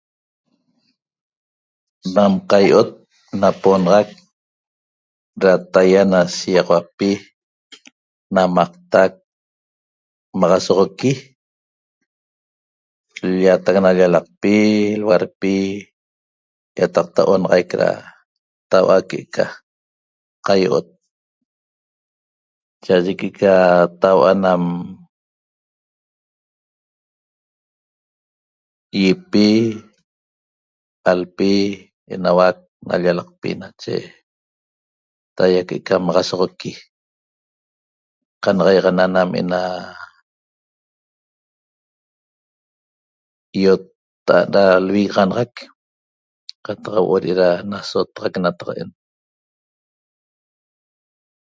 Nam qai'ot napoxanac da taya na shiyaxauapi namaqtac maxasoxoqui lyataq na llalaqpi laulapi yataqta 'onaxaic da taua que'eca qai'ot cha'aye que'eca taua nam yipi 'alpi enauac na llalaqpi nache taya que'eca maxasoxoqui qanayaxana nam ena i'otta'at da lvigaxanaxac qaltaq huo'o de'eda nasotaxac nataqa'en